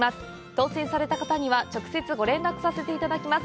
当選された方には直接、ご連絡させて頂きます。